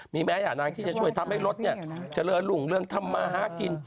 มีแม่แย่นางที่จะช่วยทำให้รถเฉลินหลวงเรื่องธรรมาฮะกิน